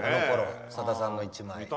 さださんの１枚。